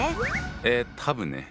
え多分ね。